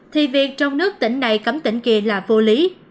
thì việc trong nước tỉnh này cấm tỉnh kỳ là vô lý